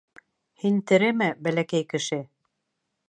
Һин тереме, бәләкәй кеше?